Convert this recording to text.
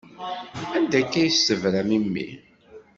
Anda akka i s-tebram i mmi?